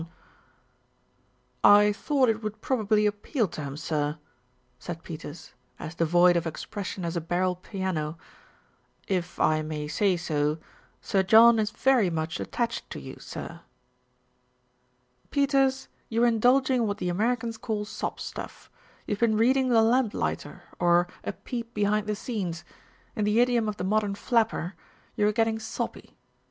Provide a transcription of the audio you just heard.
258 THE RETURN OF ALFRED "I thought it would probably appeal to him, sir," said Peters, as devoid of expression as a barrel piano. "If I may say so, Sir John is very much attached to you, sir." "Peters, you're indulging in what the Americans call 'sob stuff.' You've been reading The Lamplighter or A. Peep Behind the Scenes. In the idiom of the modern flapper, you're getting soppy."